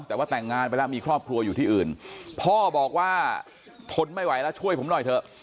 แต่ว่าแต่งงานไปแล้วมีครอบครัวอยู่ที่อื่นพ่อบอกว่าทนไม่ไหวแล้วช่วยผมหน่อยเถอะ